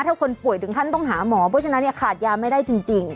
ถ้าคนป่วยถึงขั้นต้องหาหมอเพราะฉะนั้นเนี่ยขาดยาไม่ได้จริง